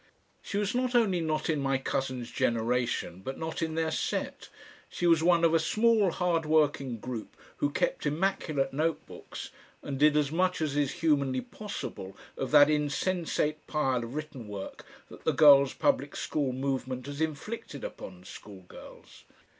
She was not only not in my cousins' generation but not in their set, she was one of a small hardworking group who kept immaculate note books, and did as much as is humanly possible of that insensate pile of written work that the Girls' Public School movement has inflicted upon school girls.